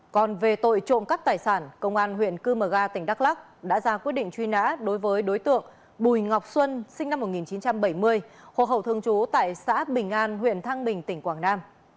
còn về tội trộm cắt tài sản công an huyện cư mờ ga tỉnh đắk lắc đã ra quyết định truy nã đối với đối tượng bùi ngọc xuân sinh năm một nghìn chín trăm bảy mươi hồ hậu thường trú tại xã bình an huyện thăng bình tỉnh quảng nam